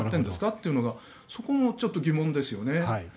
っていうのがそこもちょっと疑問ですよね。